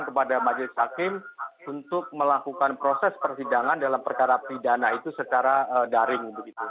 kepada majelis hakim untuk melakukan proses persidangan dalam perkara pidana itu secara daring